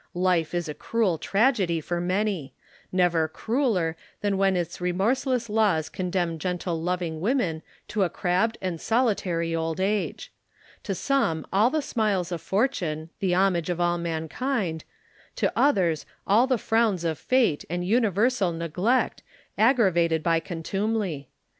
Life is a cruel tragedy for many never crueller than when its remorseless laws condemn gentle loving women to a crabbed and solitary old age. To some all the smiles of fortune, the homage of all mankind to others all the frowns of fate and universal neglect, aggravated by contumely.